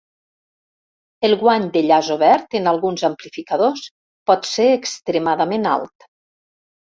El guany de llaç obert, en alguns amplificadors, pot ser extremadament alt.